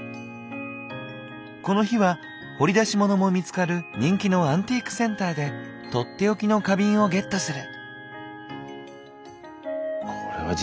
この日は掘り出し物も見つかる人気のアンティークセンターで取って置きの花瓶をゲットする。